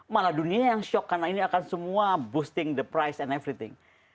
malah dunia yang shock karena ini akan semua boosting the price and everything